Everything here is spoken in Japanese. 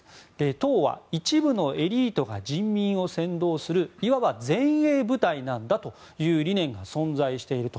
党は一部のエリートが人民を先導するいわば前衛部隊だという理念が存在していると。